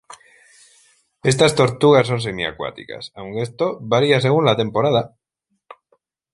Estas tortugas son semi-acuáticas, aunque esto varía según la temporada.